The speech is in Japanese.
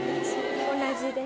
同じです。